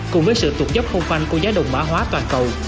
cùng với sự tục dốc không phanh của giá đồng mã hóa toàn cầu